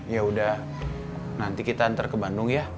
ya udah nanti kita antar ke bandung ya